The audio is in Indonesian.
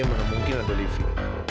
gimana mungkin ada livia